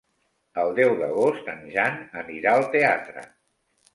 El deu d'agost en Jan anirà al teatre.